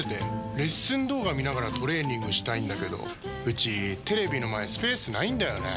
レッスン動画見ながらトレーニングしたいんだけどうちテレビの前スペースないんだよねー。